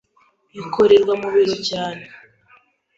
ikorerwa mu biro cyane